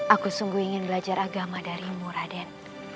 aku sungguh ingin belajar agama darimu raden